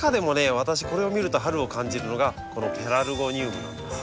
私これを見ると春を感じるのがこのペラルゴニウムなんですよ。